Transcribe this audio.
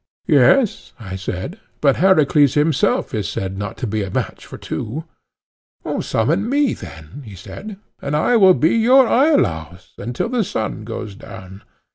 Yes, I said, but Heracles himself is said not to be a match for two. Summon me then, he said, and I will be your Iolaus until the sun goes down.